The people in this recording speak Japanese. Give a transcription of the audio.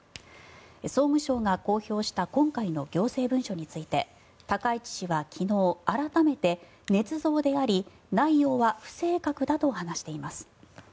総務省が公表した今回の行政文書について高市氏は昨日改めてねつ造であり内容は不正確だと話しています。